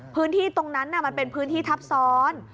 พื้นที่ตรงนั้นมันเป็นพื้นที่ทับซ้อน